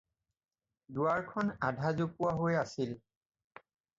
দুৱাৰ খন এধা জপোৱা হৈ আছিল।